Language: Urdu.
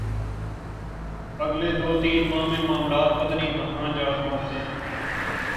اگلے دو تین ماہ میں معاملات پتہ نہیں کہاں جا پہنچیں۔